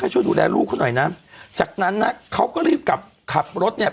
ช่วยดูแลลูกเขาหน่อยนะจากนั้นนะเขาก็รีบกลับขับรถเนี่ย